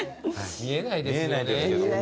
見えないですけどね。